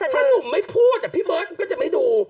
ถ้าหนุ่มไม่พูดพี่เบิร์ตก็จะไม่ดู